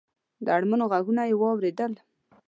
د اړمنو غږونه یې واورېدل.